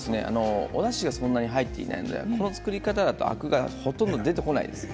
おだしが、あまり入っていないのでこの作り方だとアクがほとんど出てこないです。